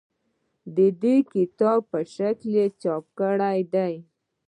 د کتاب په شکل یې چاپ کړي دي.